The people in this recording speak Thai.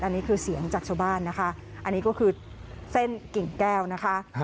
อันนี้คือเสียงจากชาวบ้านนะคะอันนี้ก็คือเส้นกิ่งแก้วนะคะ